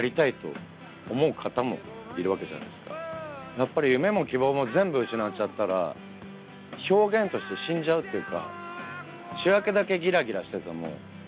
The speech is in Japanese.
やっぱり夢も希望も全部失っちゃったら表現として死んじゃうっていうか。